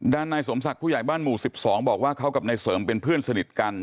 นายสมศักดิ์ผู้ใหญ่บ้านหมู่๑๒บอกว่าเขากับนายเสริมเป็นเพื่อนสนิทกัน